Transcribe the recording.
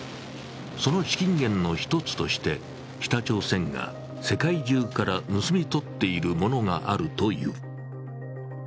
その資金源の１つとして、北朝鮮が世界中から盗み取っているものがあるという。